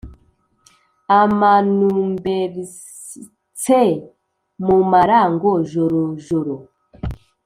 amanumberstse mu mara ngo jorojoro